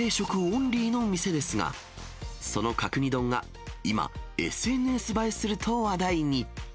オンリーの店ですが、その角煮丼が今、ＳＮＳ映えすると話題に。